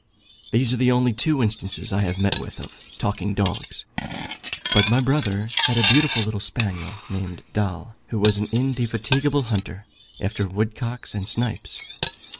These are the only two instances I have met with of talking dogs, but my brother had a beautiful little spaniel, named Doll, who was an indefatigable hunter after woodcocks and snipes.